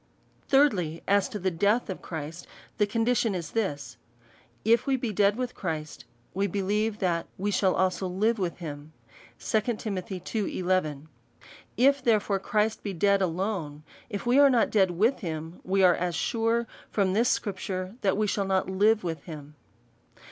Thirdly, As to the death of Christ, the condition is this ;" If we be dead with Christ, we believe that we shall also live with him." If, therefore, Christ be dead alone, if we are not dead with him, we are as sure, from this scripture, that we shall not live with him.